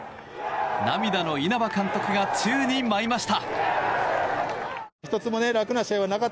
涙の稲葉監督が宙に舞いました。